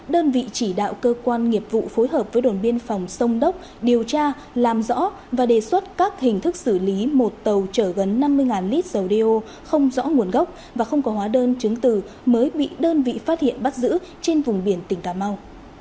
đơn vị chỉ đạo cơ quan nghiệp vụ phối hợp với đồn biên phòng sông đốc điều tra làm rõ và đề xuất các hình thức xử lý một tàu chở gần năm mươi lít dầu đeo không rõ nguồn gốc và không có hóa đơn chứng từ mới bị đơn vị phát hiện bắt giữ trên vùng biển tỉnh cà mau